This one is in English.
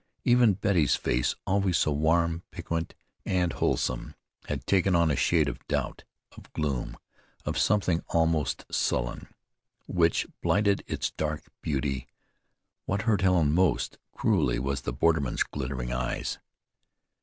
Even Betty's face, always so warm, piquant, and wholesome, had taken on a shade of doubt, of gloom, of something almost sullen, which blighted its dark beauty. What hurt Helen most cruelly was the borderman's glittering eyes.